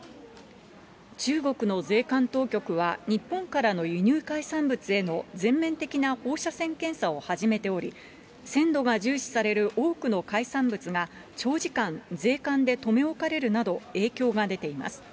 中国の税関当局は日本からの輸入海産物への全面的な放射線検査を始めており、鮮度が重視される多くの海産物が長時間、税関で留め置かれるなど、影響が出ています。